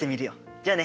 じゃあね。